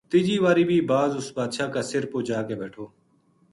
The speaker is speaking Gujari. تیجی واری بی باز اُس بادشاہ کا سر پو جا کے بیٹھو